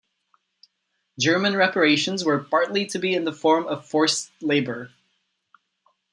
German reparations were partly to be in the form of forced labor.